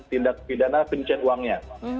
tindak pidana pencet uangnya